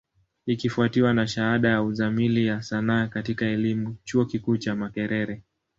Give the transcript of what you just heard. Ikifwatiwa na shahada ya Uzamili ya Sanaa katika elimu, chuo kikuu cha Makerere.